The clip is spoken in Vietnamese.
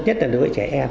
nhất là đối với trẻ em